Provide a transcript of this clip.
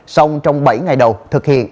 xong trong bảy ngày đầu thực hiện